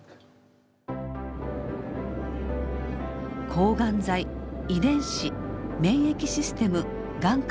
抗がん剤遺伝子免疫システムがん幹細胞。